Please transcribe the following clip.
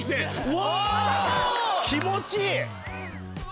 お気持ちいい！